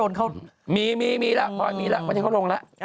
พอยมีละตอนนี้เขาลง